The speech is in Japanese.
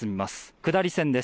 下り線です。